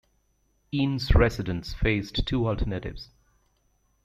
Eanes residents faced two alternatives.